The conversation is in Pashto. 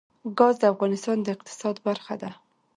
ګاز د افغانستان د اقتصاد برخه ده.